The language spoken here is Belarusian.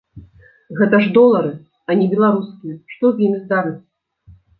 Гэта ж долары, а не беларускія, што з імі здарыцца?